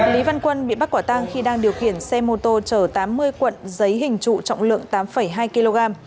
lý văn quân bị bắt quả tang khi đang điều khiển xe mô tô chở tám mươi cuộn giấy hình trụ trọng lượng tám hai kg